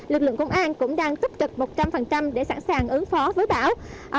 lực lượng công an cũng đang tất trực một trăm linh để sẵn sàng ứng phó với bão